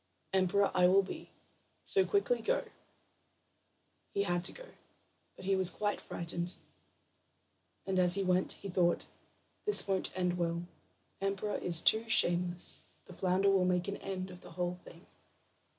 Emperor I will be, so quickly go." He had to go, but he was quite frightened. And as he went, he thought: "This won't end well; emperor is too shameless. The flounder will make an end of the whole thing."